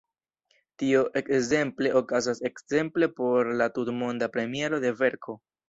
Tio ekzemple okazas ekzemple por la tutmonda premiero de verko.